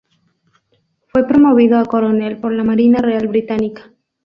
Fue promovido a Coronel por la Marina Real Británica.